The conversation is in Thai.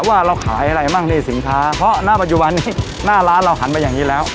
ว่าเราขายอะไรมั่งในสินค้าเพราะหน้าปัจจุบันนี้หน้าร้านเราหันมาอย่างนี้แล้ว